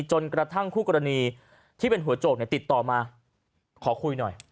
จนกระทั่งคู่กรณีที่เป็นหัวโจกติดต่อมาขอคุยหน่อย